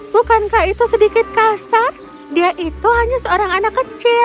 bukankah itu sedikit kasar dia itu hanya seorang anak kecil